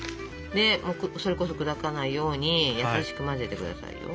でそれこそ砕かないように優しく混ぜて下さいよ。